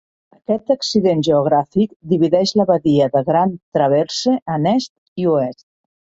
Aquest accident geogràfic divideix la badia de Grand Traverse en est i oest.